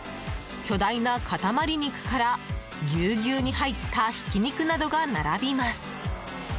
巨大な塊肉からぎゅうぎゅうに入ったひき肉などが並びます。